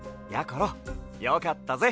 ころよかったぜ！